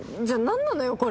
じゃあ何なのよ